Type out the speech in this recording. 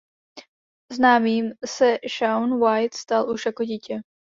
Známým se Shaun White stal už jako dítě.